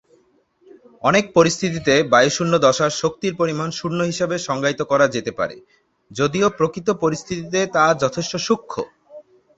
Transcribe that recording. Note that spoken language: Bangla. অনেক পরিস্থিতিতে বায়ুশূন্য দশার শক্তির পরিমান শূন্য হিসাবে সংজ্ঞায়িত করা যেতে পারে, যদিও প্রকৃত পরিস্থিতিতে তা যথেষ্ট সূক্ষ্ম।